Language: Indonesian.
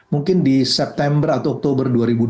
mungkin di september atau oktober dua ribu dua puluh